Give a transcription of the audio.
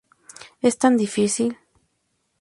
Es tan difícil".